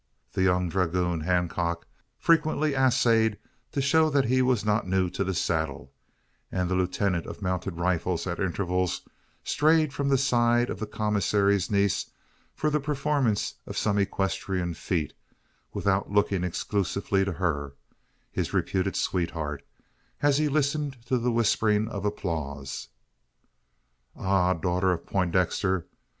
The young dragoon, Hancock, frequently essayed to show that he was not new to the saddle; and the lieutenant of mounted rifles, at intervals, strayed from the side of the commissary's niece for the performance of some equestrian feat, without looking exclusively to her, his reputed sweetheart, as he listened to the whisperings of applause. Ah, daughter of Poindexter!